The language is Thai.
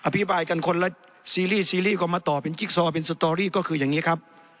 อธิบายกันคนละซีรีส์ซีรีส์ก็มาต่อเป็นจิ๊กซอเป็นสตอรี่ก็คืออย่างนี้ครับ